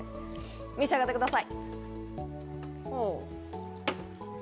召し上がってください。